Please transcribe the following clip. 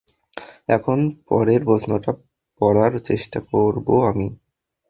এখন, পরের প্রশ্নটা পড়ার চেষ্টা করব আমি।